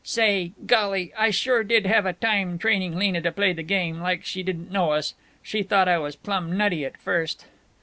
Say, golly, I sure did have a time training Lena to play the game, like she didn't know us. She thought I was plumb nutty, at first!"